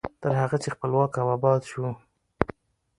تر هغه چې خپلواک او اباد شو.